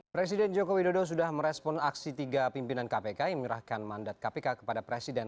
presiden joko widodo sudah merespon aksi tiga pimpinan kpk yang menyerahkan mandat kpk kepada presiden